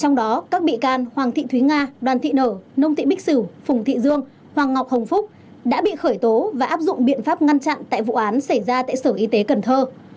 trong đó các bị can hoàng thị thúy nga đoàn thị nở nông thị bích sử phùng thị dương hoàng ngọc hồng phúc đã bị khởi tố và áp dụng biện pháp ngăn chặn tại vụ án xảy ra tại sở y tế cần thơ